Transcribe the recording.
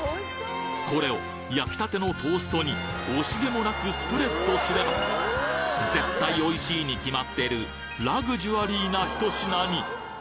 これを焼きたてのトーストに惜しげもなくスプレッドすれば絶対おいしいに決まってるラグジュアリーなひと品に！